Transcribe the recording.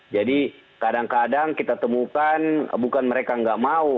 jadi kadang kadang kita temukan bukan mereka nggak mau